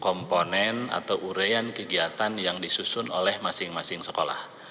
komponen atau urean kegiatan yang disusun oleh masing masing sekolah